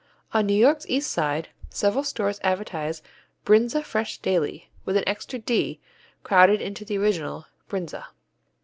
On New York's East Side several stores advertise "Brindza fresh daily," with an extra "d" crowded into the original Brinza.